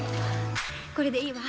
これでいいわ。